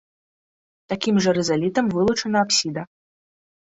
Такім жа рызалітам вылучана апсіда.